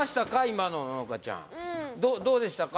今の乃々佳ちゃんうんどうでしたか？